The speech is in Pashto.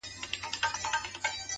بې حیا یم، بې شرفه په وطن کي،